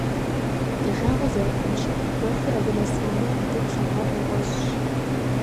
Ди жагъуэ зэрыхъунщи, ӏэхур абы нэсамэ, дэ тлъагъур нэгъуэщӏщ.